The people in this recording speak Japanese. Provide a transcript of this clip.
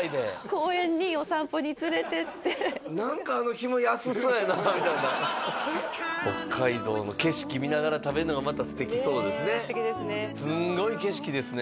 公園にお散歩に連れていって「何かあのひも安そうやな」みたいな北海道の景色見ながら食べるのがまた素敵そうですね素敵ですねすごい景色ですね